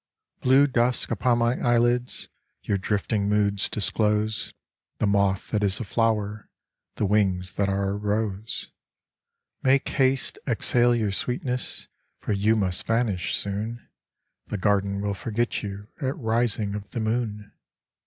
Blue dusk upon my eyelids, Your drifting moods disclose The moth that is a flower, The wings that are a rose. Make haste, exhale your sweetness, For you must vanish soon : The garden will forget you At rising of the moon.